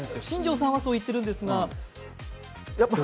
新庄さんはそう言ってるんですが。